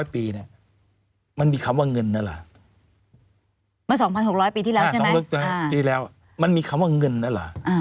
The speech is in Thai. ๒๕๐๐ปีมันมีคำว่าเงินนั่นหรือ